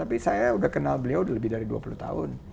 tapi saya sudah kenal beliau lebih dari dua puluh tahun